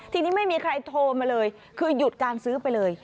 ทีนี้ไม่มีใครโทรมาเลยคือหยุดการซื้อไปเลย